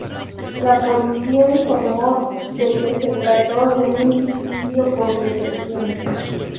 La policía informó de que se trató de un suicidio por depresión.